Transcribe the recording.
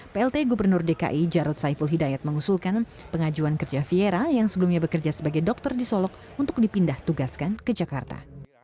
plt gubernur dki jarod saiful hidayat mengusulkan pengajuan kerja fiera yang sebelumnya bekerja sebagai dokter di solok untuk dipindah tugaskan ke jakarta